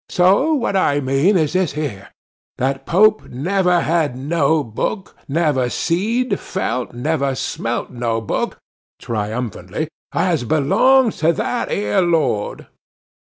So what I mean is this here, that Pope never had no book, never seed, felt, never smelt no book (triumphantly) as belonged to that ere Lord.